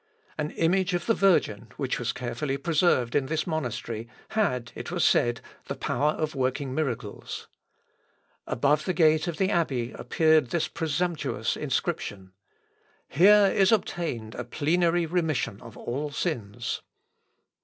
An image of the Virgin which was carefully preserved in this monastery, had, it was said, the power of working miracles. Above the gate of the Abbey appeared this presumptuous inscription: "Here is obtained a plenary remission of all sins."